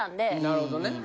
なるほどね。